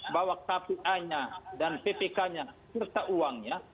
bahwa kpa nya dan ppk nya serta uangnya